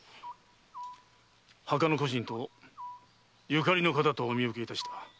墓の故人と縁の方とお見受けいたした。